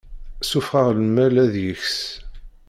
Sufɣeɣ lmal ad yeks.